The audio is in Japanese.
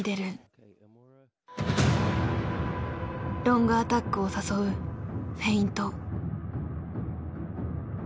ロングアタックを誘うフェイント。